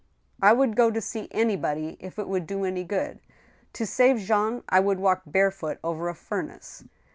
" I would go to see anybody if it would do any good. To save Jean, I would walk barefoot over a furnace